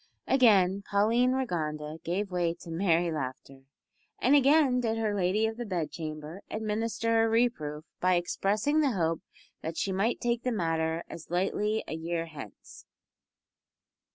Again Pauline Rigonda gave way to merry laughter, and again did her lady of the bedchamber administer a reproof by expressing the hope that she might take the matter as lightly a year hence.